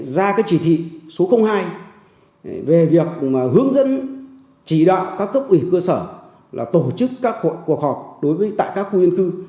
ra cái chỉ thị số hai về việc hướng dẫn chỉ đạo các cấp ủy cơ sở tổ chức các cuộc họp tại các khu dân cư